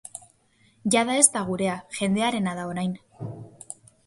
Jada ez da gurea, jendearena da orain.